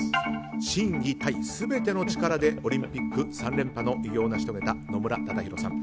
心技体全ての力でオリンピック３連覇の偉業を成し遂げた野村忠宏さん。